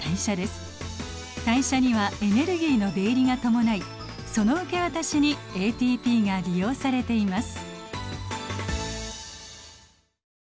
代謝にはエネルギーの出入りが伴いその受け渡しにＡＴＰが利用されています。